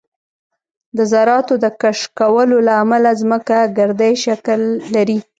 د ذراتو د کشکولو له امله ځمکه ګردی شکل لري